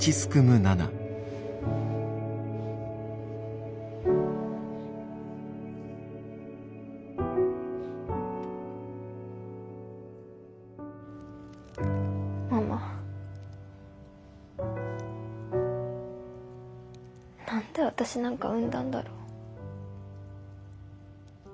何で私なんか産んだんだろう。